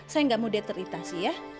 saya ga mau dia teritasi ya